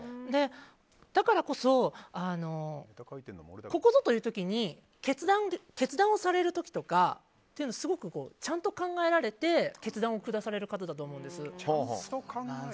だからこそ、ここぞという時に決断をされる時とかすごくちゃんと考えられて決断を下される方だと思うんです。